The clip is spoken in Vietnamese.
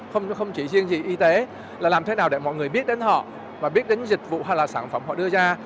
không chỉ riêng gì y tế là làm thế nào để mọi người biết đến họ và biết đến những dịch vụ hay là sản phẩm họ đưa ra